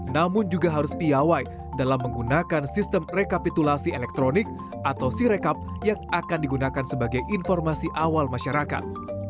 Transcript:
namun juga harus piawai dalam menggunakan sistem rekapitulasi elektronik atau sirekap yang akan digunakan sebagai informasi awal masyarakat